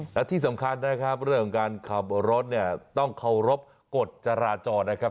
และที่สำคัญนะครับเรื่องของการขับรถเนี่ยต้องเคารพกฎจราจรนะครับ